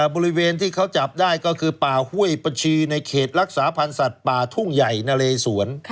บริเวณที่เขาจับได้ก็คือป่าห้วยประชีในเขตรักษาพันธ์สัตว์ป่าทุ่งใหญ่นะเลสวน